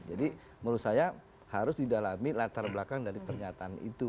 jadi menurut saya harus didalami latar belakang dari pernyataan itu